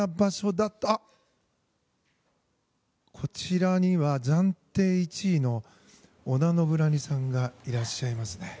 こちらには暫定１位の織田信成さんがいらっしゃいますね。